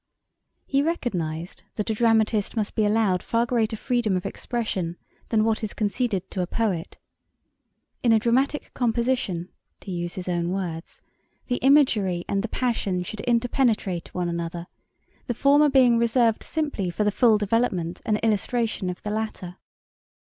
He recognised that a dramatist must be allowed far greater freedom of expression than what is conceded to a poet. 'In a dramatic composition,' to use his own words, 'the imagery and the passion should interpenetrate one another, the former being reserved simply for the full development and illustration of the latter.